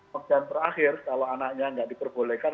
pekerjaan terakhir kalau anaknya tidak diperbolehkan